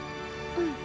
うん。